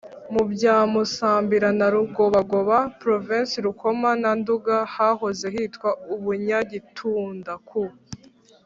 mu bya musambira na rugobagoba (provinsi rukoma na nduga) hahoze hitwa ubunyagitunda, ku